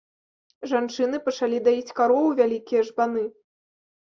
Жанчыны пачалі даіць кароў у вялікія жбаны.